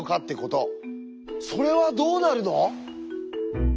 それはどうなるの？